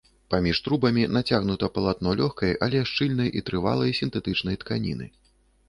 Паміж трубамі нацягнута палатно лёгкай, але шчыльнай і трывалай сінтэтычнай тканіны.